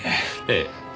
ええ。